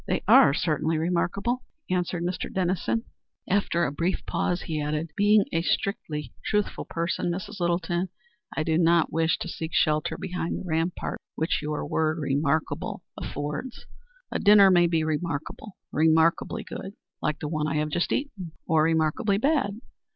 "They are certainly remarkable," answered Mr. Dennison. After a brief pause he added, "Being a strictly truthful person, Mrs. Littleton, I do not wish to seek shelter behind the rampart which your word 'remarkable' affords. A dinner may be remarkable remarkably good, like the one I have just eaten, or remarkably bad.